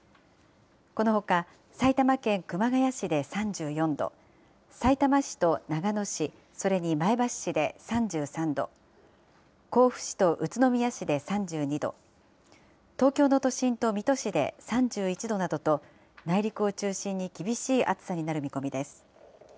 このほか、埼玉県熊谷市で３４度、さいたま市と長野市、それに前橋市で３３度、甲府市と宇都宮市で３２度、東京の都心と水戸市で３１度などと、内陸を中心に厳しい暑さになる見込みです。